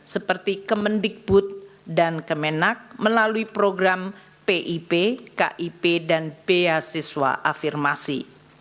seperti kemendikbud dan kemenak melalui program pip kip dan beasiswa afirmasi